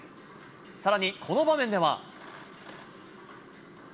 さらにこの場面では。